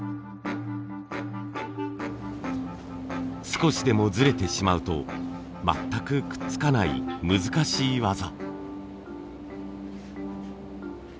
少しでもずれてしまうと全くくっつかない難しい技。